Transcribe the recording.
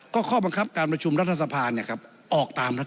ก็ข้อบังคับการประชุมรัฐสภาเนี่ยครับออกตามรัฐ